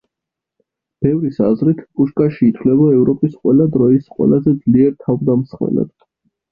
ბევრის აზრით, პუშკაში ითვლება ევროპის ყველა დროის, ყველაზე ძლიერ თავდამსხმელად.